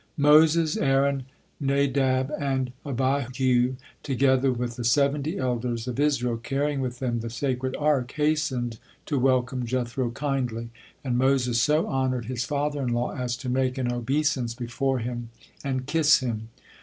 Moses, Aaron, Nadab, and Abihu, together with the seventy elders of Israel, carrying with them the sacred Ark, hastened to welcome Jethro kindly; and Moses so honored his father in law as to make an obeisance before him and kiss him.